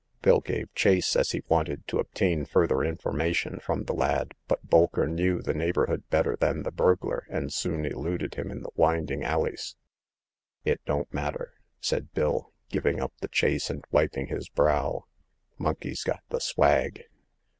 Bill gave chase, as he wanted to obtain further information from the lad ; but Bolker knew the neighborhood better than the burglar, and soon eluded him in the winding alleys. It don't matter !" said Bill, giving up the chase and wiping his brow. Monkey's got the swag.